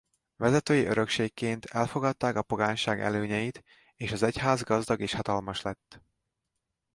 Vezetői örökségként elfogadták a pogányság előnyeit és az egyház gazdag és hatalmas lett.